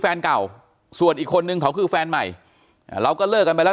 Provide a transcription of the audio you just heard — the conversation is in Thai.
แฟนเก่าส่วนอีกคนนึงเขาคือแฟนใหม่เราก็เลิกกันไปแล้ว